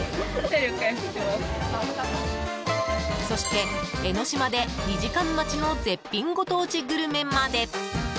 そして江の島で２時間待ちの絶品ご当地グルメまで。